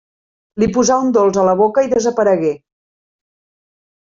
Li posà un dolç a la boca i desaparegué.